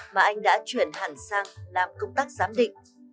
mà anh đã chuyển hẳn sang làm công tác giám định